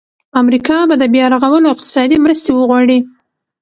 امریکا به د بیا رغولو اقتصادي مرستې وغواړي.